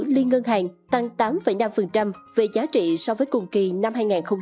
liên ngân hàng tăng tám năm về giá trị so với cùng kỳ năm hai nghìn hai mươi hai